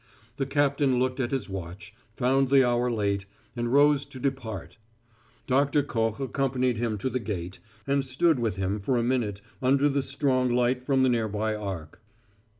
The captain looked at his watch, found the hour late, and rose to depart. Doctor Koch accompanied him to the gate, and stood with him for a minute under the strong light from the near by arc.